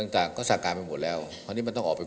ต่างก็สร้างการไปหมดแล้วเพราะนี่มันต้องออกไป